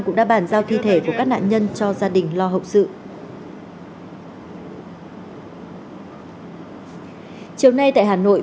cũng đã bàn giao thi thể của các nạn nhân cho gia đình lo hậu sự chiều nay tại hà nội